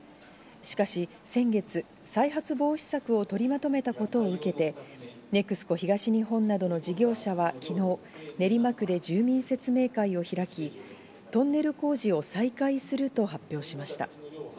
しかし先月、再発防止策を取りまとめたことを受けて、ＮＥＸＣＯ東日本などの事業者は昨日、練馬区で住民説明会を開き、トンネル工事を再開すると発表しました。